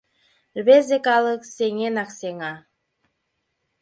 РВЕЗЕ КАЛЫК СЕҤЕНАК СЕҤА